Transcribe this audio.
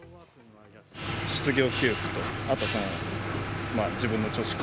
失業給付と、あと自分の貯蓄。